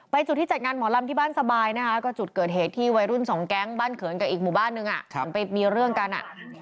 จุดที่จัดงานหมอลำที่บ้านสบายนะคะก็จุดเกิดเหตุที่วัยรุ่นสองแก๊งบ้านเขินกับอีกหมู่บ้านนึงเหมือนไปมีเรื่องกันอ่ะ